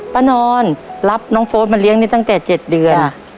ป้านอนรับน้องโฟสมาเลี้ยนี่ตั้งแต่๗เดือน